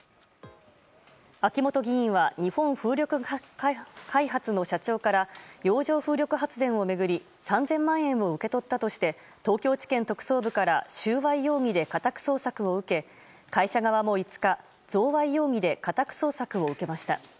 秋本議員は日本風力開発の社長から洋上風力発電を巡り３０００万円を受け取ったとして東京地検特捜部から収賄容疑で家宅捜索を受け会社側も５日贈賄容疑で家宅捜索を受けました。